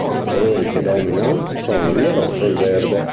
I colori che dominano sono il rosso e il verde.